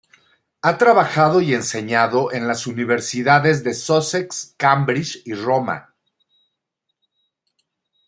Ha trabajado y enseñado en las universidades de Sussex, Cambridge y Roma.